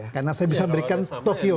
karena saya bisa memberikan tokyo